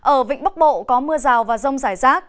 ở vĩnh bắc bộ có mưa rào và rông giải rác